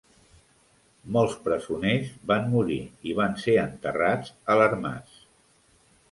Molts presoners van morir i van ser enterrats a l'ermàs.